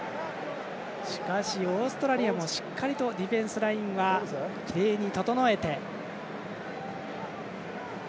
しかし、オーストラリアもしっかりとディフェンスラインはきれいに整えて。